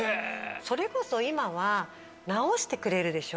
それこそ今は直してくれるでしょ？